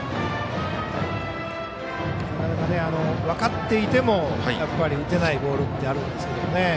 分かっていても打てないボールってあるんですけどね。